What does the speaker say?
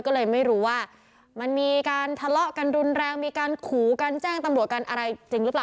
ก็เลยไม่รู้ว่ามันมีการทะเลาะกันรุนแรงมีการขู่กันแจ้งตำรวจกันอะไรจริงหรือเปล่า